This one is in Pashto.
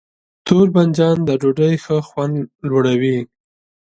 تور بانجان د ډوډۍ ښه خوند لوړوي.